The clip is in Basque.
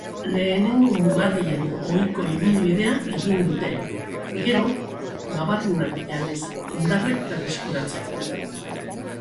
Lehenengo mugarrien ohiko ibilbidea egin dute, gero, babarrunak janez indarrak berreskuratzek.